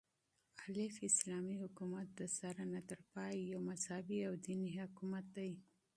الف : اسلامي حكومت دسره نه تر پايه يو مذهبي او ديني حكومت دى